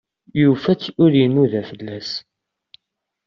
Yufa-tt ur inuda fell-as.